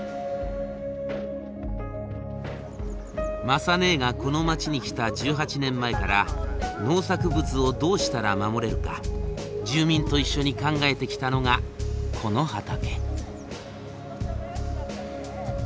雅ねえがこの町に来た１８年前から農作物をどうしたら守れるか住民と一緒に考えてきたのがこの畑。